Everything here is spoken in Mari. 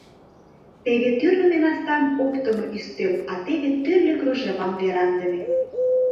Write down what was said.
Теве тӱрлымӧ настам оптымо ӱстел, а теве тӱрлӧ кружевам вераҥдыме.